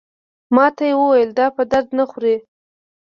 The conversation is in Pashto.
ماته یې وویل دا په درد نه خوري.